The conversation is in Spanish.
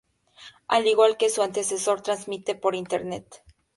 Al igual que su antecesor, transmite por internet.